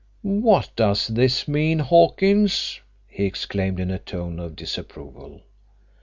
"What does this mean, Hawkins?" he exclaimed, in a tone of disapproval.